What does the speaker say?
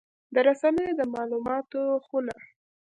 د رسنیو د مالوماتو خونه